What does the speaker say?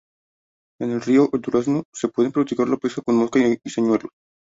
En el Río "El Durazno" se puede practicar la pesca con mosca y señuelos.